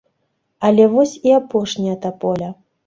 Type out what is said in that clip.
Але вось і апошняя таполя.